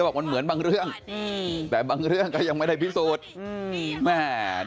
ดูท่าทางฝ่ายภรรยาหลวงประธานบริษัทจะมีความสุขที่สุดเลยนะเนี่ย